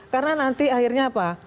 karena nanti akhirnya apa